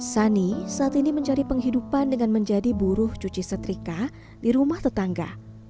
sani saat ini mencari penghidupan dengan menjadi buruh cuci setrika di rumah tetangga